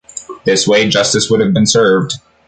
This way, justice would have been served.